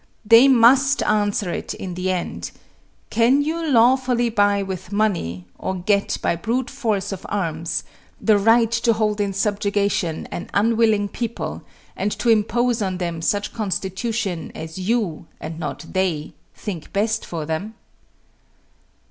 They must answer it in the end: Can you lawfully buy with money, or get by brute force of arms, the right to hold in subjugation an unwilling people, and to impose on them such constitution as you, and not they, think best for them?